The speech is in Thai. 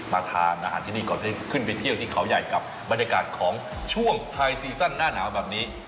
ทานอาหารที่นี่ก่อนได้ขึ้นไปเที่ยวที่เขาใหญ่กับบรรยากาศของช่วงไทยซีซั่นหน้าหนาวแบบนี้